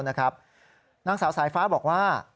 นางสาวสายฟ้าบอกว่า